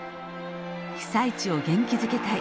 「被災地を元気づけたい」。